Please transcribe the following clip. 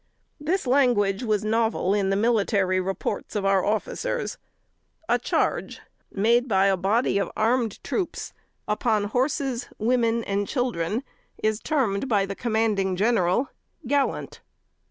This language was novel in the military reports of our officers. A charge made by a body of armed troops upon horses, women and children, is termed by the commanding General "gallant."